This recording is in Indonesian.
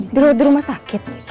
di rumah sakit